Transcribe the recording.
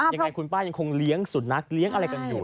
ยังไงคุณป้ายังคงเลี้ยงสุนัขเลี้ยงอะไรกันอยู่